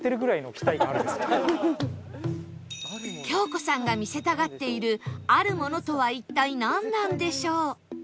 京子さんが見せたがっているあるものとは一体なんなんでしょう？